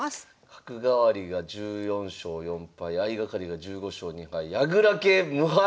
角換わりが１４勝４敗相掛かりが１５勝２敗矢倉系無敗！